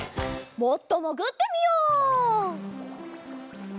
もっともぐってみよう！